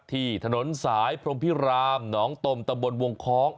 ที่ถนนสายพรมพิรามหนองตมตำบลวงคล้อง